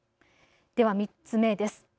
では３つ目です。